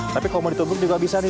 tapi kalau mau ditubuk juga bisa nih